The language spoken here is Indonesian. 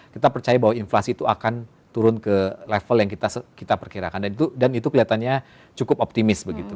kita percaya bahwa inflasi itu akan turun ke level yang kita perkirakan dan itu kelihatannya cukup optimis begitu